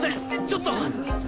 ちょっと。